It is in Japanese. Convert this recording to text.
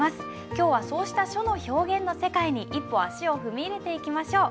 今日はそうした書の表現の世界に一歩足を踏み入れていきましょう。